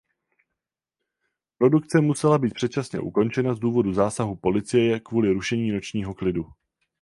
Produkce musela být předčasně ukončena z důvodu zásahu policie kvůli rušení nočního klidu.